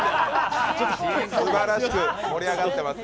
すばらしく盛り上がっていますよ。